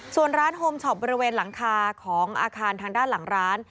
ส่วนร้านโฮมช็อปบริเวณหลังคาของอาคารทางด้านหลังร้าน